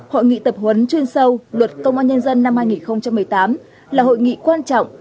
hội nghị tập huấn chuyên sâu luật công an nhân dân năm hai nghìn một mươi tám là hội nghị quan trọng